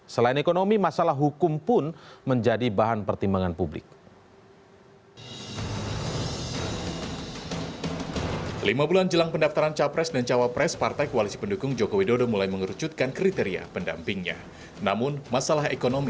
selain ekonomi masalah hukum pun menjadi bahan pertimbangan publik